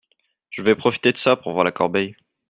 Je vais profiter de ça pour voir la corbeille…